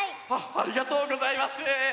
ありがとうございます！